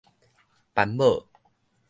班母